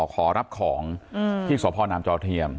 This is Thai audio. ขอรับของที่สพนามจอเทียม